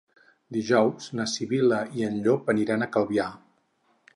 Dijous na Sibil·la i en Llop aniran a Calvià.